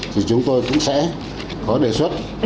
thì chúng tôi cũng sẽ có đề xuất